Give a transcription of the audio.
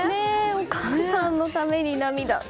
お母さんのために涙。